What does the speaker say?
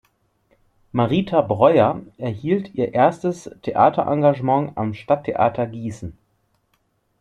Marita Breuer erhielt ihr erstes Theaterengagement am Stadttheater Gießen.